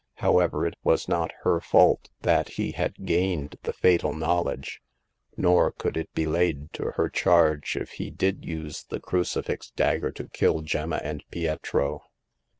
However, it was not her fault that he had gained the fatal knowledge ; nor could it be laid to her charge if he did use the crucifix dagger to kill Gemma and Pietro.